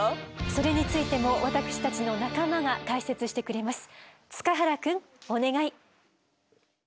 それについても私たちの仲間が解説してくれます。